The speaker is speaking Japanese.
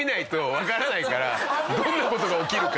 どんな事が起きるか。